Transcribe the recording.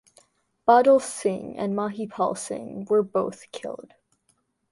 Badal Singh and Mahipal Singh were both killed.